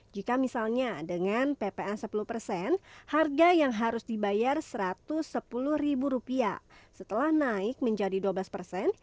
jika misalnya dengan ppn sepuluh persen harga yang harus dibayar rp satu ratus sepuluh setelah naik menjadi dua belas persen